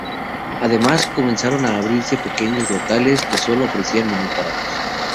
Además, comenzaron a abrirse pequeños locales que sólo ofrecían menús baratos.